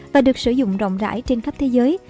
và được sử dụng rộng rãi trên khắp thế giới